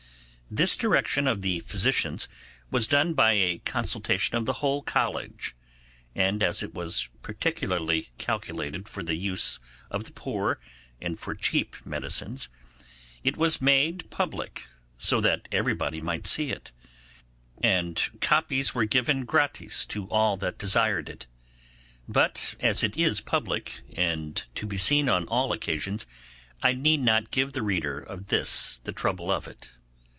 This direction of the physicians was done by a consultation of the whole College; and, as it was particularly calculated for the use of the poor and for cheap medicines, it was made public, so that everybody might see it, and copies were given gratis to all that desired it. But as it is public, and to be seen on all occasions, I need not give the reader of this the trouble of it.